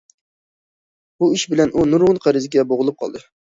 بۇ ئىش بىلەن ئۇ نۇرغۇن قەرزگە بوغۇلۇپ قالدى.